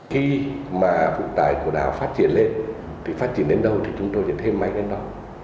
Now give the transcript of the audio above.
khi mà phụ tải của đảo phát triển lên thì phát triển đến đâu thì chúng tôi chuyển thêm máy đến đó